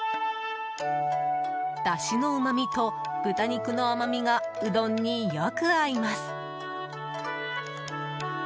だしのうまみと豚肉の甘みがうどんによく合います。